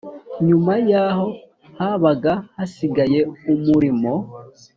Nyuma yaho habaga hasigaye umurimo